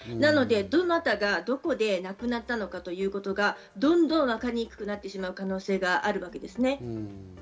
どなたがどこで亡くなったのかということがどんどん分かりにくくなってしまう可能性があります。